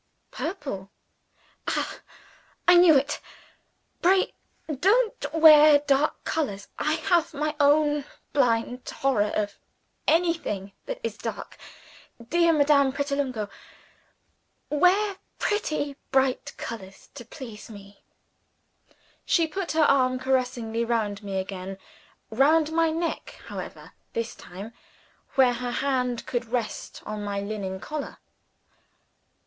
"Purple." "Ah! I knew it! Pray don't wear dark colors. I have my own blind horror of anything that is dark. Dear Madame Pratolungo, wear pretty bright colors, to please me!" She put her arm caressingly round me again round my neck, however, this time, where her hand could rest on my linen collar.